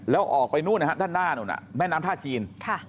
แล้วออกไปนู่นนะฮะด้านหน้านู้นแม่น้ำท่าจีน